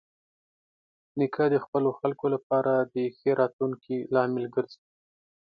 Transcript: نیکه د خپلو خلکو لپاره د ښه راتلونکي لامل ګرځي.